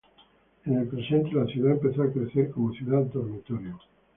En el presente, la ciudad empezó a crecer como "ciudad dormitorio".